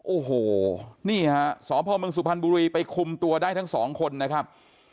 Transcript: โอ้โหนี่ฮะสพมสุพรรณบุรีไปคุมตัวได้ทั้งสองคนนะครับ